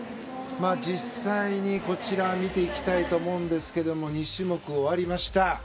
実際にこちら見ていきたいと思うんですけれど２種目、終わりました。